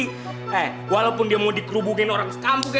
hei walaupun dia mau dikerubukin orang sekampung